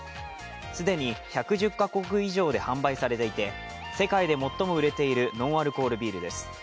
既に１１０か国以上で販売されていて世界で最も売れているノンアルコールビールです。